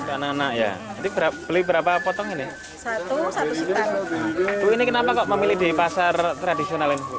anak anak ya beli berapa potong ini satu satu ini kenapa kok memilih di pasar tradisional